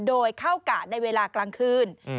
โดยเข้ากะในเวลากลางคืน